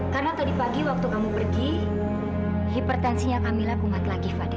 karena tadi pagi waktu kamu pergi hipertensinya kamila kumat lagi fadil